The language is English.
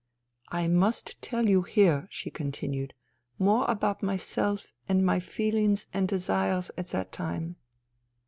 " I must tell you here," she continued, " more about myself and my feelings and desires at that time.